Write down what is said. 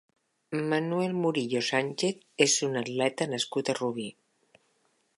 Manuel Murillo Sánchez és un atleta nascut a Rubí.